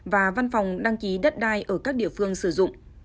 và văn phòng đăng ký đất đai ở các địa phương sử dụng